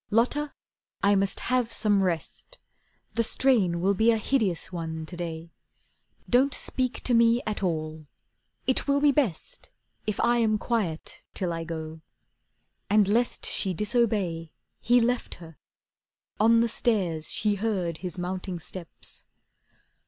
"Lotta, I must have some rest. The strain will be a hideous one to day. Don't speak to me at all. It will be best If I am quiet till I go." And lest She disobey, he left her. On the stairs She heard his mounting steps.